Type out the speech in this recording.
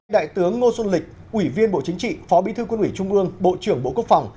đại tướng ngô xuân lịch ủy viên bộ chính trị phó bí thư quân ủy trung ương bộ trưởng bộ quốc phòng